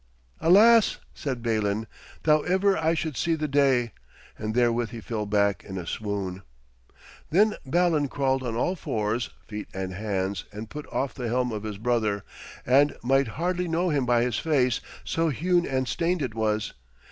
'Alas!' said Balin, 'that ever I should see the day!' And therewith he fell back in a swoon. Then Balan crawled on all fours, feet and hands, and put off the helm of his brother, and might hardly know him by his face, so hewn and stained it was.